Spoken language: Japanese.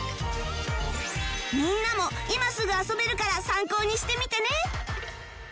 みんなも今すぐ遊べるから参考にしてみてね